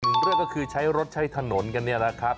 หนึ่งเรื่องก็คือใช้รถใช้ถนนกันเนี่ยนะครับ